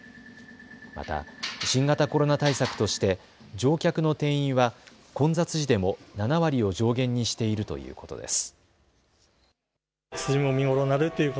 また新型コロナ対策として乗客の定員は混雑時でも７割を上限にしているということです。